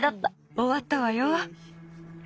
おわったわよ。